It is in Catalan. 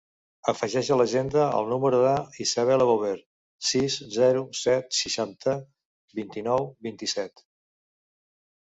Afegeix a l'agenda el número de l'Isabella Bover: sis, zero, set, seixanta, vint-i-nou, vint-i-set.